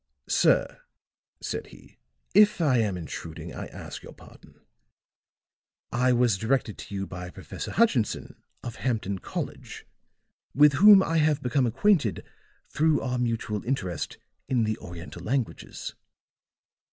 "Sir," said he, "if I am intruding, I ask your pardon. I was directed to you by Professor Hutchinson of Hampden College, with whom I have become acquainted through our mutual interest in the Oriental languages."